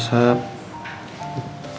tadi bapak dikirimin video